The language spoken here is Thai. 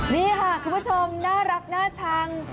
นี่ค่ะคุณผู้ชมน่ารักน่าชัง